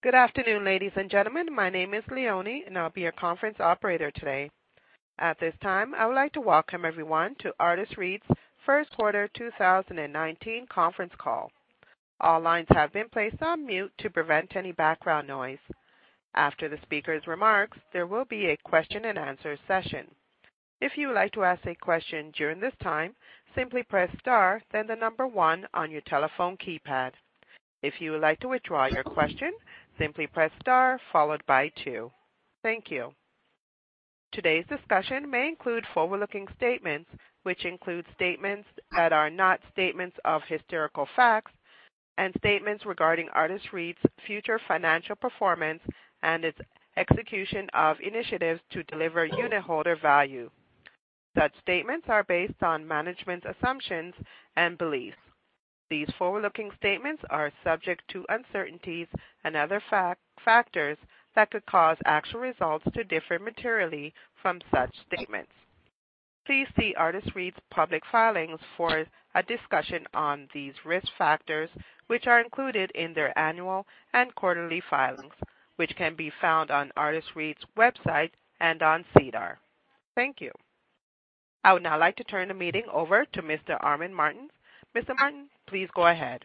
Good afternoon, ladies and gentlemen. My name is Leonie and I'll be your conference operator today. At this time, I would like to welcome everyone to Artis REIT's first quarter 2019 conference call. All lines have been placed on mute to prevent any background noise. After the speaker's remarks, there will be a question and answer session. If you would like to ask a question during this time, simply press star then the number 1 on your telephone keypad. If you would like to withdraw your question, simply press star followed by 2. Thank you. Today's discussion may include forward-looking statements, which include statements that are not statements of historical facts and statements regarding Artis REIT's future financial performance and its execution of initiatives to deliver unit holder value. Such statements are based on management's assumptions and beliefs. These forward-looking statements are subject to uncertainties and other factors that could cause actual results to differ materially from such statements. Please see Artis REIT's public filings for a discussion on these risk factors, which are included in their annual and quarterly filings, which can be found on Artis REIT's website and on SEDAR. Thank you. I would now like to turn the meeting over to Mr. Armin Martens. Mr. Martens, please go ahead.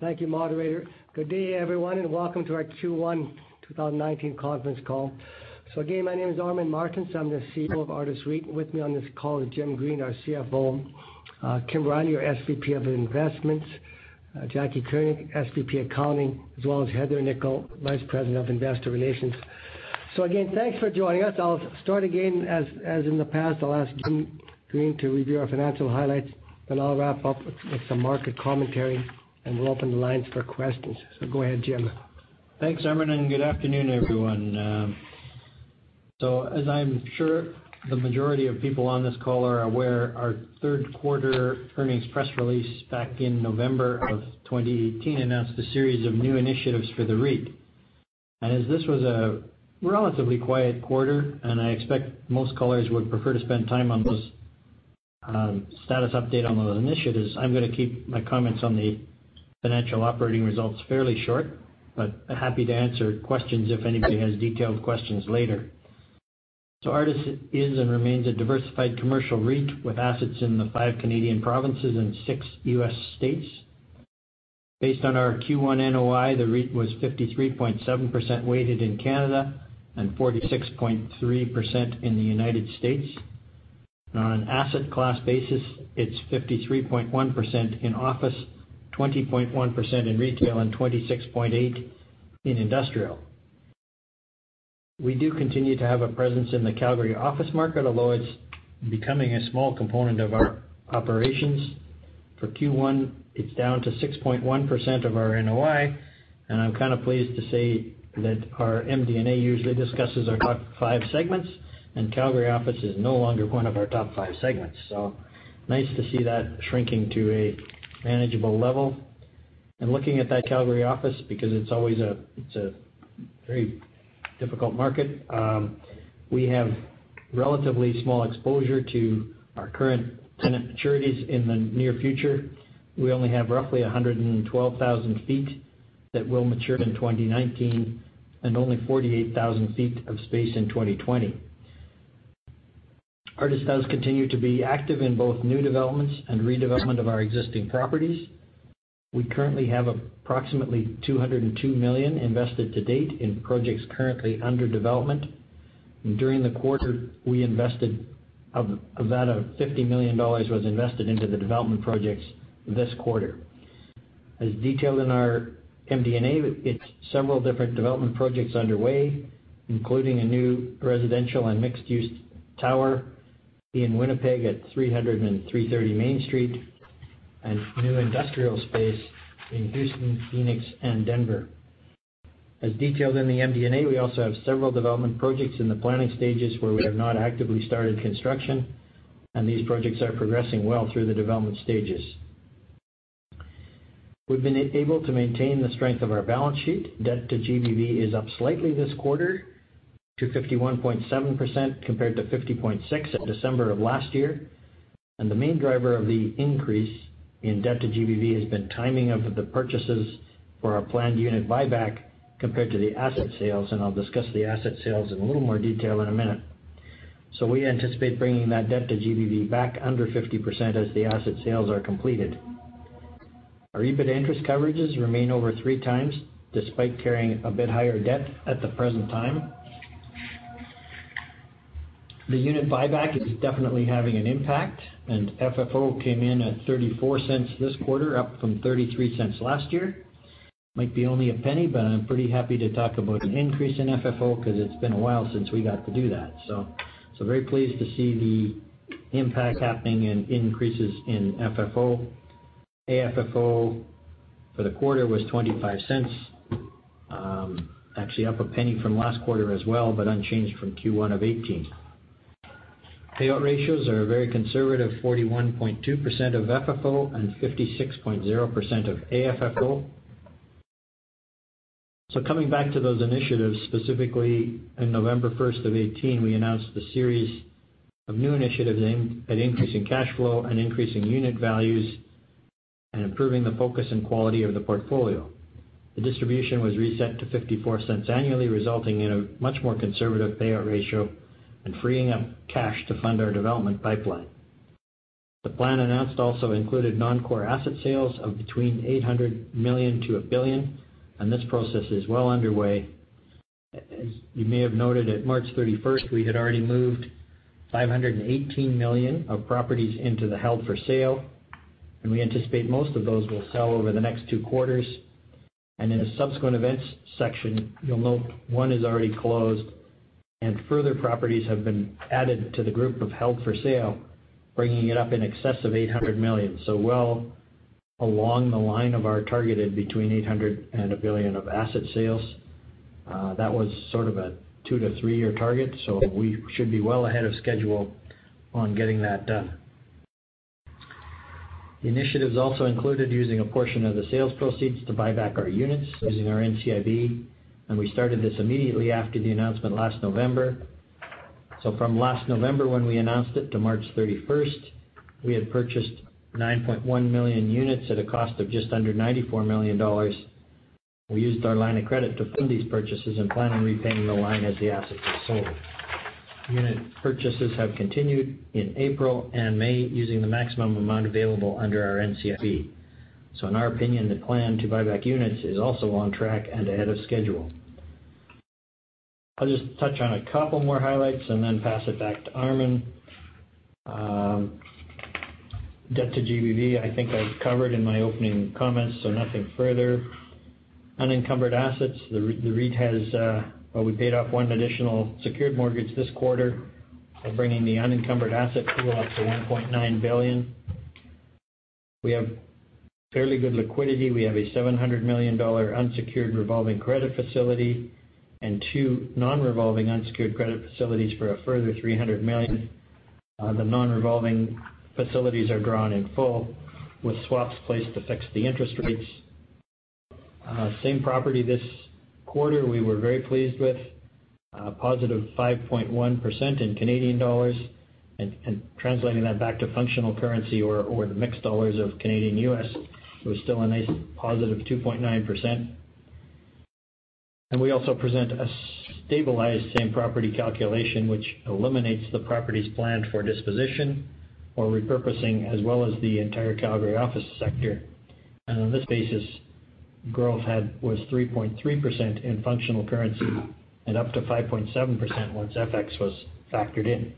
Thank you, moderator. Good day, everyone, and welcome to our Q1 2019 conference call. Again, my name is Armin Martens. I'm the CEO of Artis REIT. With me on this call is Jim Green, our CFO, Kim Riley, our SVP of investments, Jaclyn Koenig, SVP accounting, as well as Heather Nikkel, Vice President of Investor Relations. Again, thanks for joining us. I'll start again, as in the past, I'll ask Jim Green to review our financial highlights and I'll wrap up with some market commentary and we'll open the lines for questions. Go ahead, Jim. Thanks, Armin, and good afternoon, everyone. As I'm sure the majority of people on this call are aware, our third quarter earnings press release back in November of 2018 announced a series of new initiatives for the REIT. As this was a relatively quiet quarter and I expect most callers would prefer to spend time on those status update on those initiatives, I'm going to keep my comments on the financial operating results fairly short, but happy to answer questions if anybody has detailed questions later. Artis is and remains a diversified commercial REIT with assets in the five Canadian provinces and six U.S. states. Based on our Q1 NOI, the REIT was 53.7% weighted in Canada and 46.3% in the U.S. On an asset class basis, it's 53.1% in office, 20.1% in retail and 26.8% in industrial. We do continue to have a presence in the Calgary office market, although it's becoming a small component of our operations. For Q1, it's down to 6.1% of our NOI, and I'm kind of pleased to say that our MD&A usually discusses our top 5 segments, and Calgary office is no longer one of our top 5 segments. Nice to see that shrinking to a manageable level. Looking at that Calgary office, because it's always a very difficult market, we have relatively small exposure to our current tenant maturities in the near future. We only have roughly 112,000 feet that will mature in 2019 and only 48,000 feet of space in 2020. Artis does continue to be active in both new developments and redevelopment of our existing properties. We currently have approximately 202 million invested to date in projects currently under development. During the quarter, we invested, of that, 50 million dollars was invested into the development projects this quarter. As detailed in our MD&A, it's several different development projects underway, including a new residential and mixed-use tower in Winnipeg at 300 Main Street, and new industrial space in Houston, Phoenix and Denver. As detailed in the MD&A, we also have several development projects in the planning stages where we have not actively started construction, these projects are progressing well through the development stages. We've been able to maintain the strength of our balance sheet. Debt to GBV is up slightly this quarter to 51.7% compared to 50.6% at December of last year. The main driver of the increase in debt to GBV has been timing of the purchases for our planned unit buyback compared to the asset sales, and I'll discuss the asset sales in a little more detail in a minute. We anticipate bringing that debt to GBV back under 50% as the asset sales are completed. Our EBIT interest coverages remain over 3 times despite carrying a bit higher debt at the present time. The unit buyback is definitely having an impact and FFO came in at 0.34 this quarter, up from 0.33 last year. Might be only a penny, but I'm pretty happy to talk about an increase in FFO because it's been a while since we got to do that. Very pleased to see the impact happening and increases in FFO. AFFO for the quarter was 0.25, actually up a penny from last quarter as well, but unchanged from Q1 of 2018. Payout ratios are a very conservative 41.2% of FFO and 56.0% of AFFO. Coming back to those initiatives, specifically in November 1st of 2018, we announced the series of new initiatives aimed at increasing cash flow and increasing unit values, and improving the focus and quality of the portfolio. The distribution was reset to 0.54 annually, resulting in a much more conservative payout ratio and freeing up cash to fund our development pipeline. The plan announced also included non-core asset sales of between 800 million-1 billion, this process is well underway. As you may have noted, at March 31, we had already moved 518 million of properties into the held-for-sale, and we anticipate most of those will sell over the next 2 quarters. In the Subsequent Events section, you'll note 1 is already closed, and further properties have been added to the group of held-for-sale, bringing it up in excess of 800 million. Well along the line of our targeted between 800 million and 1 billion of asset sales. That was sort of a 2-to-3-year target, so we should be well ahead of schedule on getting that done. The initiatives also included using a portion of the sales proceeds to buy back our units using our NCIB, we started this immediately after the announcement last November. From last November when we announced it to March 31, we had purchased 9.1 million units at a cost of just under 94 million dollars. We used our line of credit to fund these purchases and plan on repaying the line as the assets are sold. Unit purchases have continued in April and May using the maximum amount available under our NCIB. In our opinion, the plan to buy back units is also on track and ahead of schedule. I'll just touch on 2 more highlights and then pass it back to Armin. Debt to GBV, I think I covered in my opening comments, so nothing further. Unencumbered assets, the REIT has. We paid off 1 additional secured mortgage this quarter, bringing the unencumbered asset pool up to 1.9 billion. We have fairly good liquidity. We have a 700 million dollar unsecured revolving credit facility and 2 non-revolving unsecured credit facilities for a further 300 million. The non-revolving facilities are drawn in full with swaps placed to fix the interest rates. Same property this quarter we were very pleased with, a positive 5.1% in CAD, and translating that back to functional currency or the mixed dollars of CAD/U.S., it was still a nice positive 2.9%. We also present a stabilized same property calculation, which eliminates the properties planned for disposition or repurposing, as well as the entire Calgary office sector. On this basis, growth was 3.3% in functional currency and up to 5.7% once FX was factored in.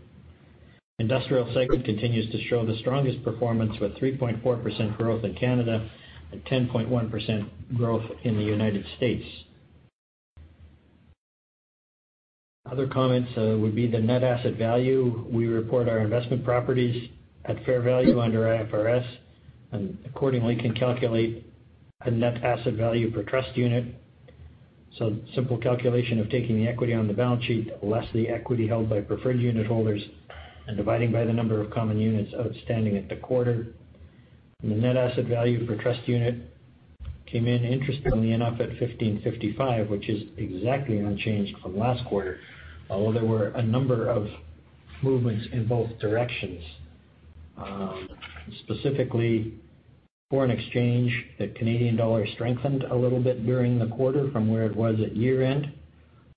Industrial segment continues to show the strongest performance, with 3.4% growth in Canada and 10.1% growth in the U.S. Other comments would be the net asset value. We report our investment properties at fair value under IFRS, accordingly can calculate a net asset value per trust unit. Simple calculation of taking the equity on the balance sheet, less the equity held by preferred unit holders, dividing by the number of common units outstanding at the quarter. The net asset value per trust unit came in interestingly enough at 15.55, which is exactly unchanged from last quarter. Although there were a number of movements in both directions. Specifically, foreign exchange, the Canadian dollar strengthened a little bit during the quarter from where it was at year-end,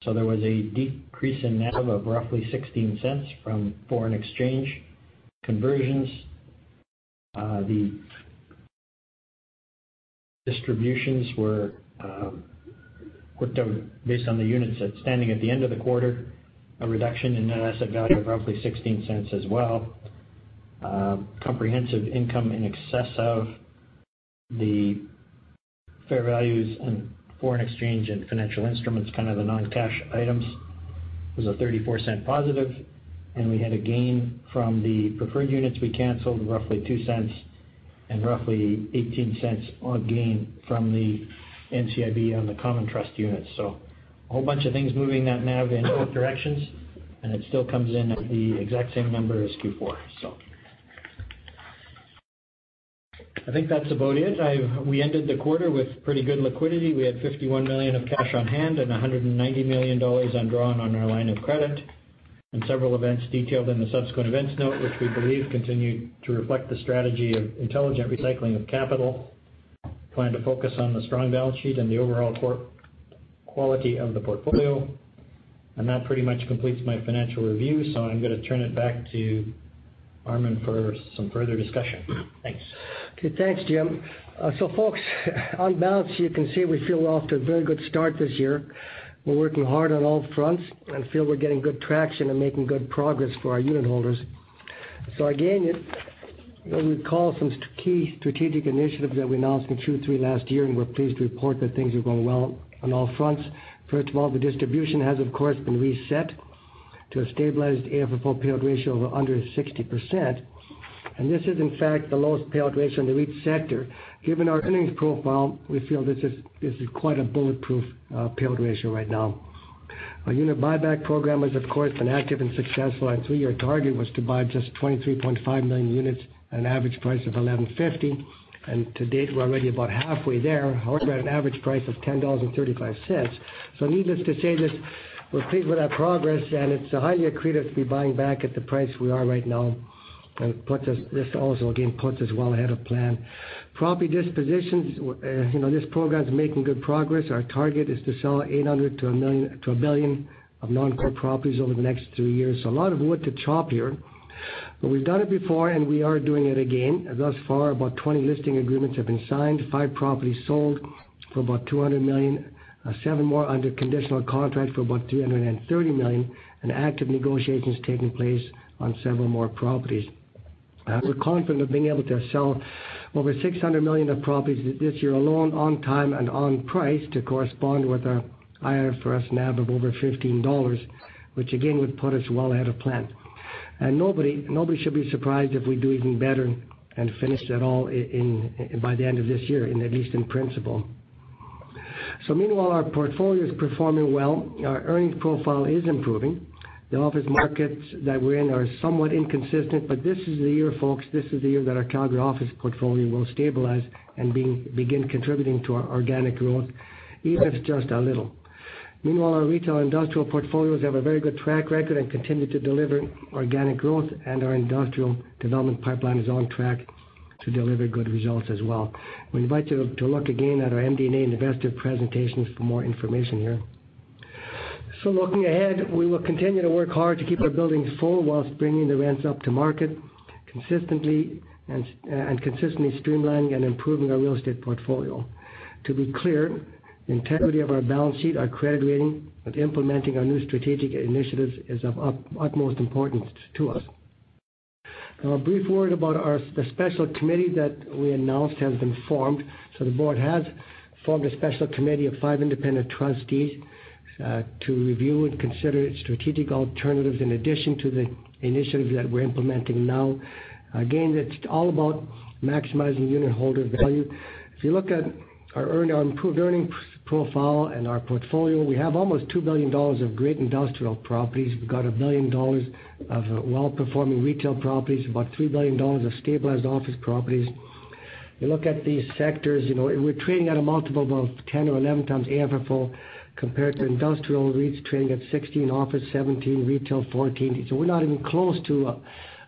so there was a decrease in NAV of roughly 0.16 from foreign exchange conversions. The distributions were worked out based on the units outstanding at the end of the quarter, a reduction in net asset value of roughly 0.16 as well. Comprehensive income in excess of the fair values on foreign exchange and financial instruments, kind of the non-cash items, was a 0.34 positive. We had a gain from the preferred units we canceled, roughly 0.02, and roughly 0.18 on gain from the NCIB on the common trust units. A whole bunch of things moving that NAV in both directions, and it still comes in at the exact same number as Q4. I think that's about it. We ended the quarter with pretty good liquidity. We had 51 million of cash on hand and 190 million dollars undrawn on our line of credit. Several events detailed in the subsequent events note, which we believe continue to reflect the strategy of intelligent recycling of capital. Plan to focus on the strong balance sheet and the overall quality of the portfolio. That pretty much completes my financial review. I'm going to turn it back to Armin for some further discussion. Thanks. Okay. Thanks, Jim. Folks, on balance, you can see we feel we're off to a very good start this year. We're working hard on all fronts and feel we're getting good traction and making good progress for our unit holders. Again, you know, we call some key strategic initiatives that we announced in Q3 last year, and we're pleased to report that things are going well on all fronts. First of all, the distribution has, of course, been reset to a stabilized AFFO per share ratio of under 60%. This is, in fact, the lowest payout ratio in the REIT sector. Given our earnings profile, we feel this is quite a bulletproof payout ratio right now. Our unit buyback program is of course an active and successful, and three-year target was to buy just 23.5 million units at an average price of 11.50. To date, we're already about halfway there. However, at an average price of 10.35 dollars. Needless to say this, we're pleased with our progress, and it's highly accretive to be buying back at the price we are right now, and this also again puts us well ahead of plan. Property dispositions, this program's making good progress. Our target is to sell 800 to 1 billion of non-core properties over the next three years. A lot of wood to chop here, but we've done it before and we are doing it again. Thus far, about 20 listing agreements have been signed, five properties sold for about 200 million, seven more under conditional contract for about 330 million, and active negotiations taking place on several more properties. We're confident of being able to sell over 600 million of properties this year alone, on time and on price to correspond with our IFRS NAV of over 15 dollars, which again, would put us well ahead of plan. Nobody should be surprised if we do even better and finish it all by the end of this year, at least in principle. Meanwhile, our portfolio is performing well. Our earnings profile is improving. The office markets that we're in are somewhat inconsistent, but this is the year, folks. This is the year that our Calgary office portfolio will stabilize and begin contributing to our organic growth, even if it's just a little. Meanwhile, our retail industrial portfolios have a very good track record and continue to deliver organic growth, and our industrial development pipeline is on track to deliver good results as well. We invite you to look again at our MD&A investor presentations for more information here. Looking ahead, we will continue to work hard to keep our buildings full whilst bringing the rents up to market, and consistently streamlining and improving our real estate portfolio. To be clear, the integrity of our balance sheet, our credit rating with implementing our new strategic initiatives is of utmost importance to us. Now, a brief word about the special committee that we announced has been formed. The board has formed a special committee of five independent trustees, to review and consider strategic alternatives in addition to the initiatives that we're implementing now. Again, it's all about maximizing unit holder value. If you look at our improved earnings profile and our portfolio, we have almost 2 billion dollars of great industrial properties. We've got 1 billion dollars of well-performing retail properties, about 3 billion dollars of stabilized office properties. You look at these sectors, we're trading at a multiple of 10 or 11 times AFFO compared to industrial REITs trading at 16x, office 17x, retail 14x. We're not even close to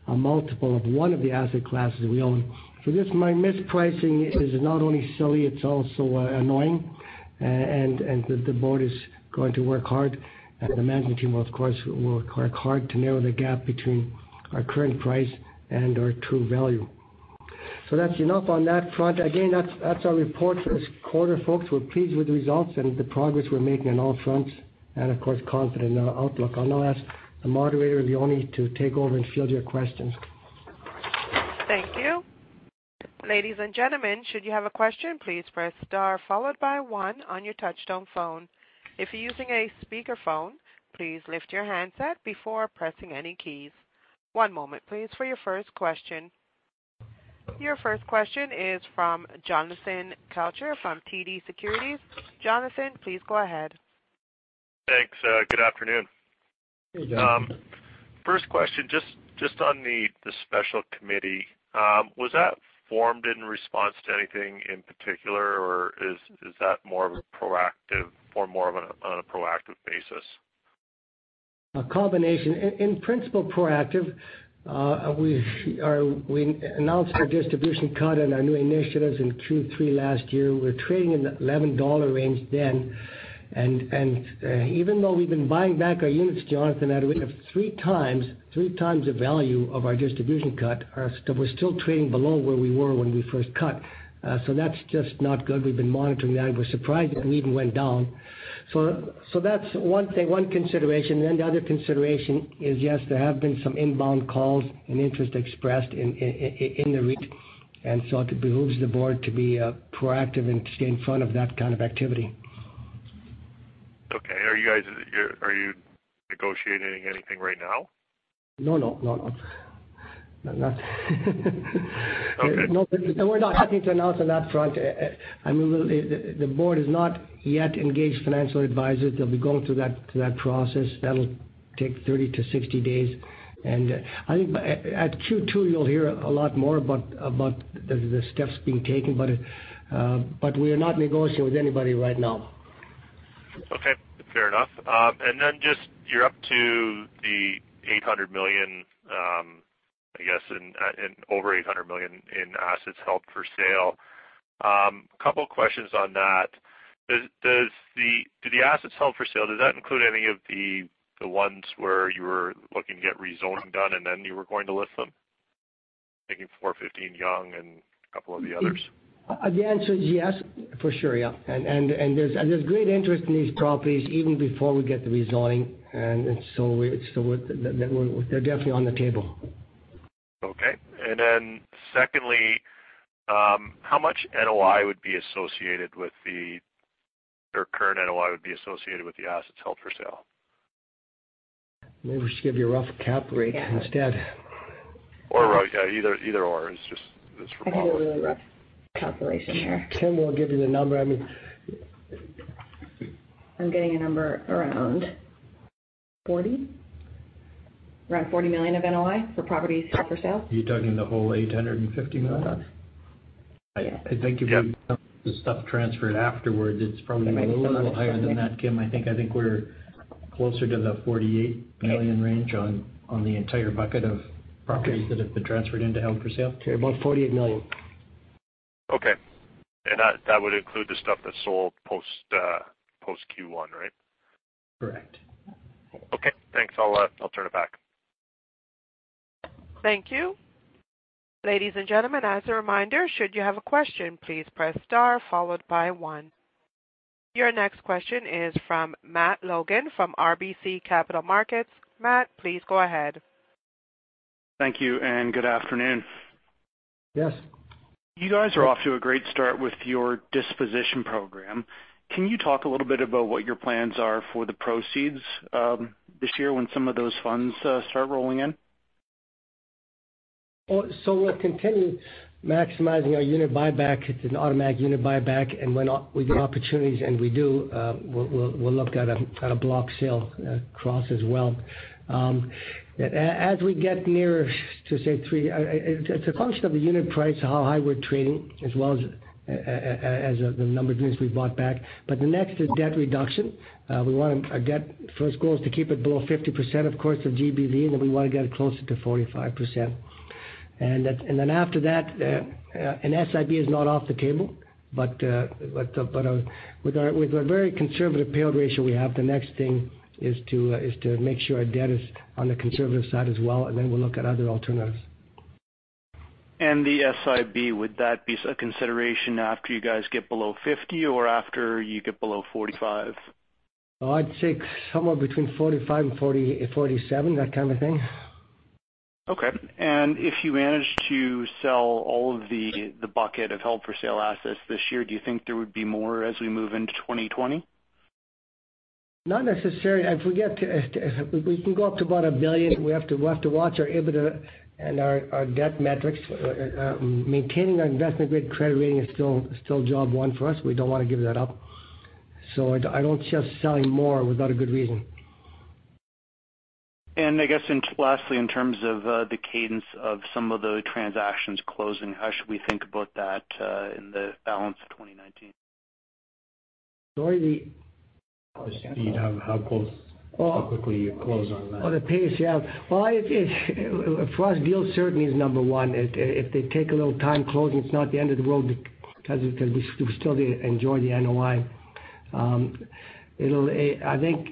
a multiple of one of the asset classes we own. This mispricing is not only silly, it's also annoying. The board is going to work hard, and the management team will of course, work hard to narrow the gap between our current price and our true value. That's enough on that front. Again, that's our report for this quarter, folks. We're pleased with the results and the progress we're making on all fronts, and of course, confident in our outlook. I'll now ask the moderator, Leonie, to take over and field your questions. Thank you. Ladies and gentlemen, should you have a question, please press star followed by one on your touchtone phone. If you're using a speakerphone, please lift your handset before pressing any keys. One moment, please, for your first question. Your first question is from Jonathan Kelcher from TD Securities. Jonathan, please go ahead. Thanks. Good afternoon. Hey, Jon. First question, just on the special committee. Was that formed in response to anything in particular, or is that more of on a proactive basis? A combination. In principle, proactive. We announced our distribution cut and our new initiatives in Q3 last year. We were trading in the 11 dollar range then. Even though we've been buying back our units, Jonathan, at a rate of three times the value of our distribution cut, we're still trading below where we were when we first cut. That's just not good. We've been monitoring that. We're surprised it even went down. That's one thing, one consideration. The other consideration is, yes, there have been some inbound calls and interest expressed in the REIT, it behooves the board to be proactive and stay in front of that kind of activity. Okay. Are you negotiating anything right now? No. Okay. No, we're not happy to announce on that front. The board has not yet engaged financial advisors. They'll be going through that process. That'll take 30-60 days. I think at Q2, you'll hear a lot more about the steps being taken. We are not negotiating with anybody right now. Okay. Fair enough. Then just, you're up to the 800 million, I guess, and over 800 million in assets held for sale. Couple questions on that. Do the assets held for sale, does that include any of the ones where you were looking to get rezoning done and then you were going to list them? Thinking 415 Yonge and a couple of the others. The answer is yes, for sure. Yeah. There's great interest in these properties even before we get the rezoning. They're definitely on the table. Okay. Secondly, how much NOI would be associated with or current NOI would be associated with the assets held for sale? Maybe we should give you a rough cap rate instead. Yeah, either or. It's just for follow-up. I think a really rough calculation here. Kim will give you the number. I'm getting a number around 40. Around 40 million of NOI for properties held for sale. You're talking the whole 850 million dollars? Yes. I think if we count the stuff transferred afterwards, it's probably a little higher than that, Kim. I think we're closer to the 48 million range on the entire bucket of properties that have been transferred into held for sale. Okay, about 48 million. That would include the stuff that sold post Q1, right? Correct. Okay, thanks. I'll turn it back. Thank you. Ladies and gentlemen, as a reminder, should you have a question, please press star followed by one. Your next question is from Matt Logan from RBC Capital Markets. Matt, please go ahead. Thank you and good afternoon. Yes. You guys are off to a great start with your disposition program. Can you talk a little bit about what your plans are for the proceeds this year when some of those funds start rolling in? We'll continue maximizing our unit buyback. It's an automatic unit buyback, and when we get opportunities, and we do, we'll look at a block sale cross as well. It's a function of the unit price, how high we're trading, as well as the number of units we've bought back. Next is debt reduction. Our debt first goal is to keep it below 50%, of course, of GBV, and then we want to get closer to 45%. After that, an SIB is not off the table, but with our very conservative payout ratio we have, the next thing is to make sure our debt is on the conservative side as well, and then we'll look at other alternatives. The SIB, would that be a consideration after you guys get below 50% or after you get below 45%? I'd say somewhere between 45 and 47, that kind of thing. Okay. If you manage to sell all of the bucket of held-for-sale assets this year, do you think there would be more as we move into 2020? Not necessarily. If we get to it, we can go up to about 1 billion. We have to watch our EBITDA and our debt metrics. Maintaining our investment-grade credit rating is still job one for us. We don't want to give that up. I don't see us selling more without a good reason. I guess lastly, in terms of the cadence of some of the transactions closing, how should we think about that in the balance of 2019? Sorry. The speed of how close or quickly you close on that. Oh, the pace, yeah. Well, for us, deal certainty is number one. If they take a little time closing, it's not the end of the world because we still enjoy the NOI. I think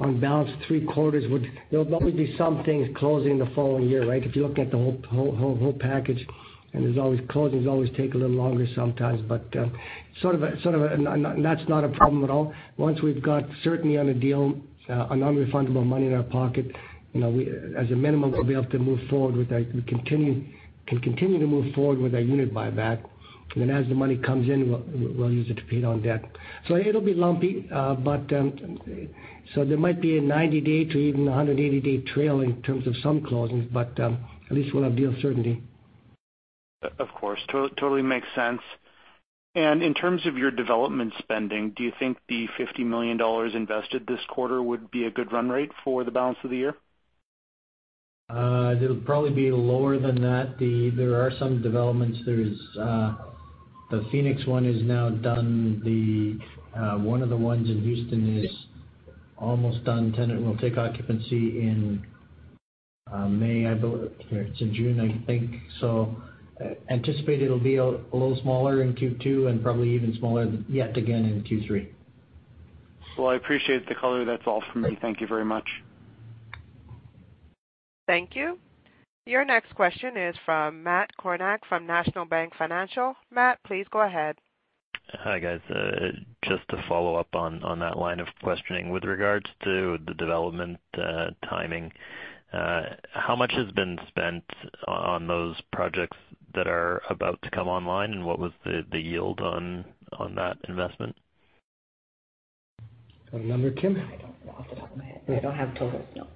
on balance, three quarters. There'll probably be some things closing the following year, right? If you look at the whole package. Closings always take a little longer sometimes, but that's not a problem at all. Once we've got certainty on a deal, a non-refundable money in our pocket, as a minimum, we can continue to move forward with our unit buyback. As the money comes in, we'll use it to pay down debt. It'll be lumpy. There might be a 90-day to even 180-day trail in terms of some closings, but at least we'll have deal certainty. Of course. Totally makes sense. In terms of your development spending, do you think the 50 million dollars invested this quarter would be a good run rate for the balance of the year? It'll probably be lower than that. There are some developments. The Phoenix one is now done. One of the ones in Houston is almost done. Tenant will take occupancy in May, I believe. It's in June, I think. Anticipate it'll be a little smaller in Q2 and probably even smaller yet again in Q3. Well, I appreciate the color. That's all from me. Thank you very much. Thank you. Your next question is from Matt Kornack from National Bank Financial. Matt, please go ahead. Hi, guys. Just to follow up on that line of questioning. With regards to the development timing, how much has been spent on those projects that are about to come online, and what was the yield on that investment? Got a number, Kim? I don't, off the top of my head. I don't have totals, no.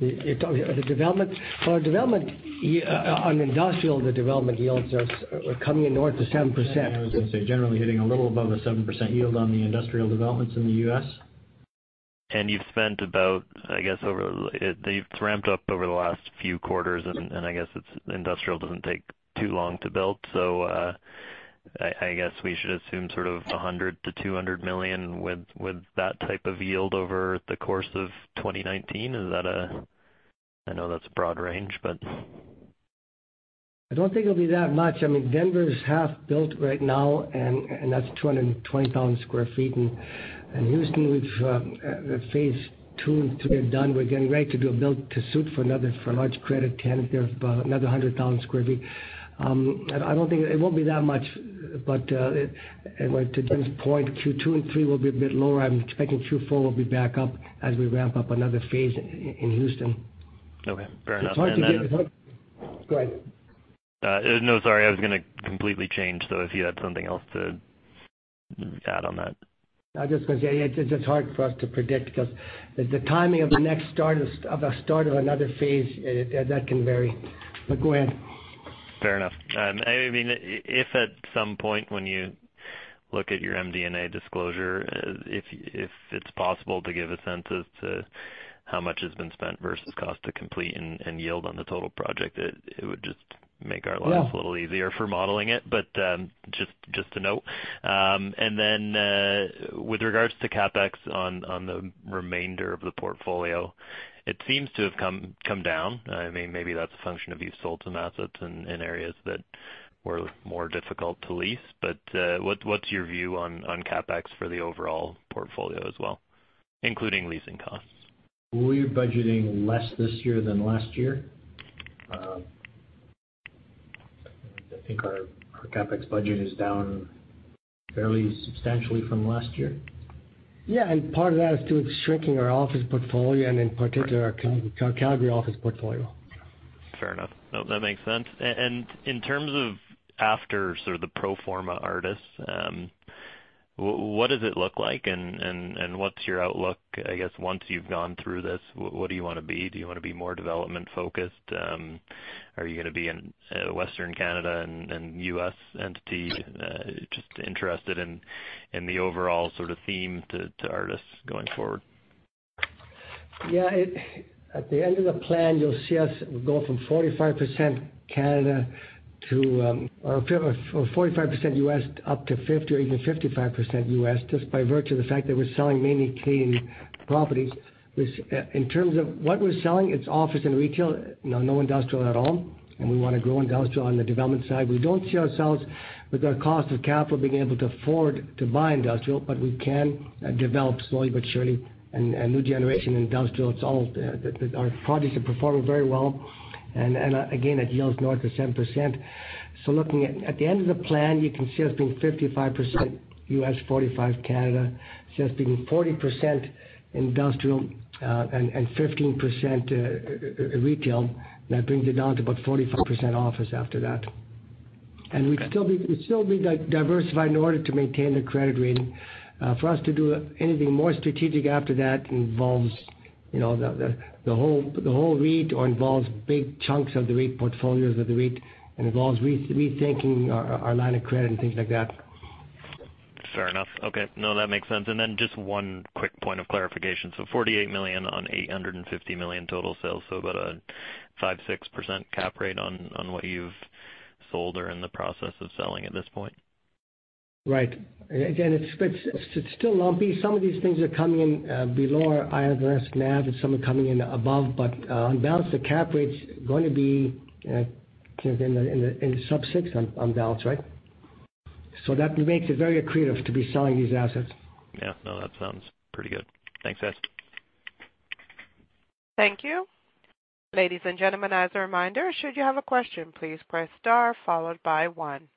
The development? On industrial, the development yields are coming in north of 7%. I was going to say, generally hitting a little above a 7% yield on the industrial developments in the U.S. You've spent about, I guess, they've ramped up over the last few quarters, and I guess industrial doesn't take too long to build. I guess we should assume sort of 100 million-200 million with that type of yield over the course of 2019. I know that's a broad range. I don't think it'll be that much. Denver's half-built right now, and that's 220,000 sq ft. Houston, with phase 2 and 3 are done. We're getting ready to do a build-to-suit for a large credit tenant there of about another 100,000 sq ft. It won't be that much. To Jim's point, Q2 and 3 will be a bit lower. I'm expecting Q4 will be back up as we ramp up another phase in Houston. Okay, fair enough. Go ahead No, sorry. I was going to completely change. If you had something else to add on that. I was just going to say, it's just hard for us to predict because the timing of the start of another phase, that can vary. Go ahead. Fair enough. If at some point when you look at your MD&A disclosure, if it's possible to give a sense as to how much has been spent versus cost to complete and yield on the total project, it would just make our lives. Yeah A little easier for modeling it. Just a note. With regards to CapEx on the remainder of the portfolio, it seems to have come down. Maybe that's a function of you've sold some assets in areas that were more difficult to lease. What's your view on CapEx for the overall portfolio as well, including leasing costs? We're budgeting less this year than last year. I think our CapEx budget is down fairly substantially from last year. Yeah. Part of that is, too, shrinking our office portfolio and in particular, our Calgary office portfolio. Fair enough. No, that makes sense. In terms of after the pro forma Artis, what does it look like and what's your outlook, I guess, once you've gone through this? What do you want to be? Do you want to be more development-focused? Are you going to be in Western Canada and U.S. entity? Just interested in the overall theme to Artis going forward. Yeah. At the end of the plan, you'll see us go from 45% U.S. up to 50% or even 55% U.S., just by virtue of the fact that we're selling mainly Canadian properties. In terms of what we're selling, it's office and retail, no industrial at all, and we want to grow industrial on the development side. We don't see ourselves, with our cost of capital, being able to afford to buy industrial, but we can develop slowly but surely a new generation in industrial. Our projects are performing very well, and again, at yields north of 7%. Looking at the end of the plan, you can see us being 55% U.S., 45% Canada. See us being 40% industrial and 15% retail. That brings it down to about 45% office after that. We'd still be diversified in order to maintain the credit rating. For us to do anything more strategic after that involves the whole REIT or involves big chunks of the REIT portfolios of the REIT, involves rethinking our line of credit and things like that. Fair enough. Okay. No, that makes sense. Just one quick point of clarification. 48 million on 850 million total sales, about a 5%-6% cap rate on what you've sold or are in the process of selling at this point? Right. Again, it's still lumpy. Some of these things are coming in below our IFRS NAV and some are coming in above. On balance, the cap rate's going to be in sub-6 on balance, right? That makes it very accretive to be selling these assets. Yeah. No, that sounds pretty good. Thanks, guys. Thank you. Ladies and gentlemen, as a reminder, should you have a question, please press star followed by 1.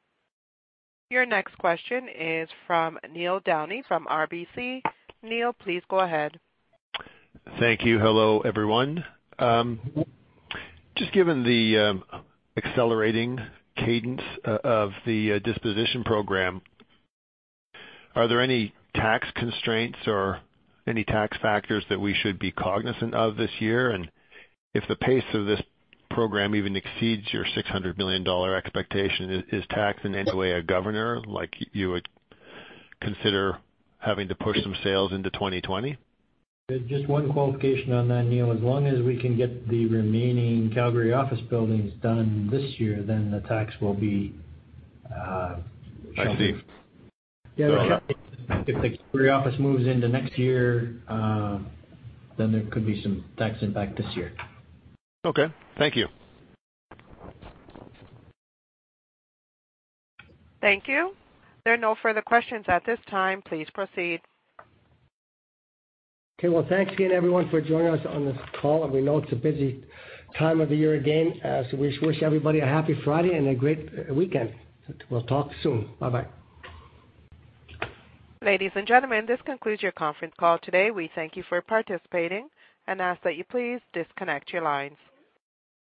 Your next question is from Neil Downey from RBC. Neil, please go ahead. Thank you. Hello, everyone. Just given the accelerating cadence of the disposition program, are there any tax constraints or any tax factors that we should be cognizant of this year? If the pace of this program even exceeds your 600 million dollar expectation, is tax in any way a governor, like you would consider having to push some sales into 2020? Just one qualification on that, Neil. As long as we can get the remaining Calgary office buildings done this year, the tax will be. I see. Yeah. Okay. If the Calgary office moves into next year, then there could be some tax impact this year. Okay. Thank you. Thank you. There are no further questions at this time. Please proceed. Okay. Well, thanks again, everyone, for joining us on this call. We know it's a busy time of the year again, so we wish everybody a happy Friday and a great weekend. We'll talk soon. Bye-bye. Ladies and gentlemen, this concludes your conference call today. We thank you for participating and ask that you please disconnect your lines.